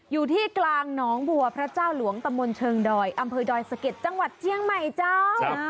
อยู่ที่กลางหนองบัวพระเจ้าหลวงตะมนต์เชิงดอยอำเภอดอยสะเก็ดจังหวัดเจียงใหม่เจ้า